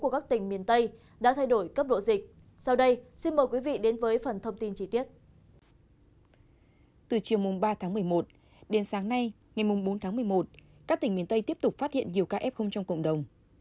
các tỉnh miền tây tiếp tục phát hiện nhiều ca f trong cộng đồng